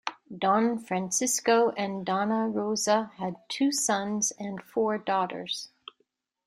Don Francisco and Donna Rosa had two sons and four daughters.